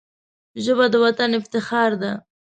ژبه د وطن افتخار ده